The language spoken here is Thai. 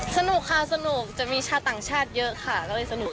สนุกค่ะสนุกจะมีชาวต่างชาติเยอะค่ะ